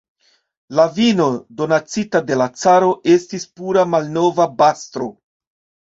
La vino, donacita de la caro, estis pura malnova bastro.